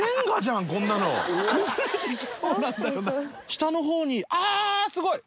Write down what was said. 下の方にあぁっすごい！